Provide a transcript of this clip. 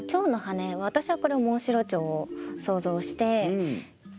私はこれはモンシロチョウを想像して書いていて。